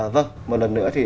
vâng một lần nữa thì